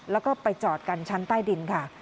แล้วไปจอดกันชั้นใต้ดิน